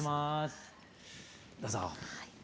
どうぞ。